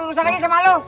gak usah lagi sama lo